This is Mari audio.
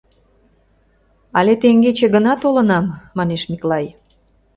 — Але теҥгече гына толынам, — манеш Миклай.